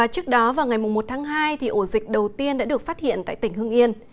trước đó vào ngày một tháng hai ổ dịch đầu tiên đã được phát hiện tại tỉnh hưng yên